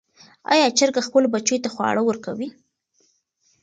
آیا چرګه خپلو بچیو ته خواړه ورکوي؟